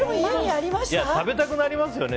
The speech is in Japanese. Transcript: いや、食べたくなりますよね。